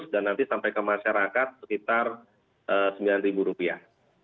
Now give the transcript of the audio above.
dan nanti sampai ke masyarakat sekitar sembilan rupiah